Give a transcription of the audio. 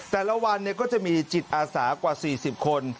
แต่ละวันก็จะมีจิตอาสากว่า๔๐คน